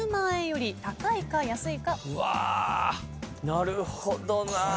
なるほどな。